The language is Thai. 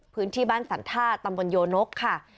พื้นที่บ้านสรรท่าตำบลโยนกค่ะ